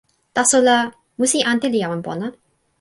taso la, musi ante li awen pona.